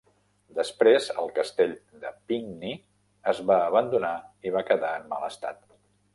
Després, el castell de Pinckney es va abandonar i va quedar en mal estat.